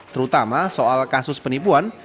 terutama soal kasus penipuan